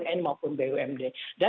dan yang terakhir mengenai penyelenggaraan